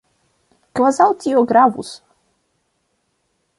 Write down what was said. Kvazaŭ tio gravus!